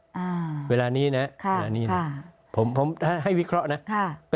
อ่าเวลานี้นะค่ะอันนี้นะผมผมให้ให้วิเคราะห์นะค่ะ